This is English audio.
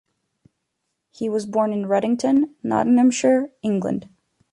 He was born in Ruddington, Nottinghamshire, England.